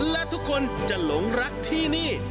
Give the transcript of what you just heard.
และทุกคนจะหลงรักที่นี่